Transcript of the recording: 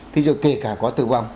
thế rồi kể cả có tử vong